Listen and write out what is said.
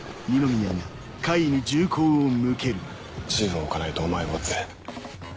銃を置かないとお前を撃つ。